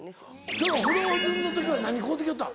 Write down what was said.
そのフローズンの時は何買うて来よったん？